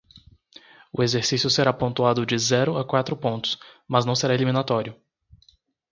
O exercício será pontuado de zero a quatro pontos, mas não será eliminatório.